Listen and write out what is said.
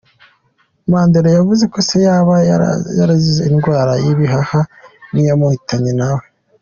Mandela yavuze ko se yaba yarazize indwara y’ibihaha nk’iyamuhitanye nawe.